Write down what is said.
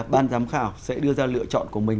ban giám khảo sẽ đưa ra lựa chọn của mình